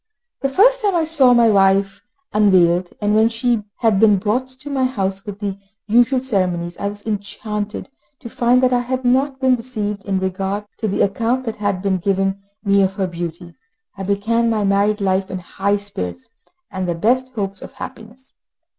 The first time I saw my wife unveiled, when she had been brought to my house with the usual ceremonies, I was enchanted to find that I had not been deceived in regard to the account that had been given me of her beauty. I began my married life in high spirits, and the best hopes of happiness.